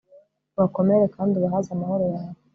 bakomere, kandi ubahaze amahoro yawe